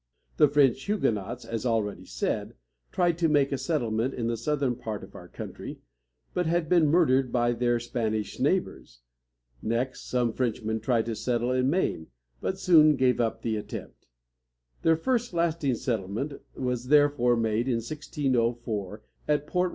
The French Huguenots, as already said, tried to make a settlement in the southern part of our country, but had been murdered by their Spanish neighbors. Next, some Frenchmen tried to settle in Maine, but soon gave up the attempt. Their first lasting settlement was therefore made in 1604, at Port.